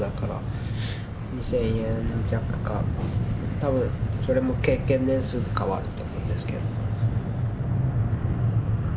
多分それも経験年数で変わると思うんですけど。